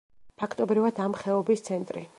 ფაქტობრივად, ამ ხეობის ცენტრი.